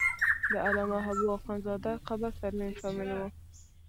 د علامه حبو اخند زاده قبر ترمیم شامل و.